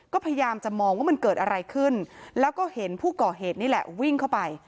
ก็พยายามจะมองว่ามันเกิดอะไรขึ้นแล้วก็เห็นผู้ก่อเหตุนี่แหละวิ่งเข้าไป